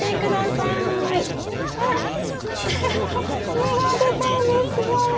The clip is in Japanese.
芽が出たんですよ。